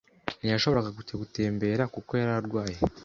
Ntiyashoboraga kujya gutembera kuko yari arwaye.